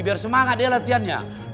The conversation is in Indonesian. biar semangat dia latihannya